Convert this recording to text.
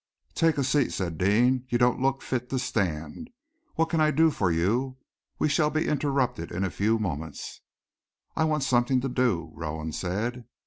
"Take a seat," said Deane. "You don't look fit to stand. What can I do for you? We shall be interrupted in a few moments." "I want something to do," Rowan said.